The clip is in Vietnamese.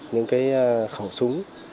những cái khẩu súng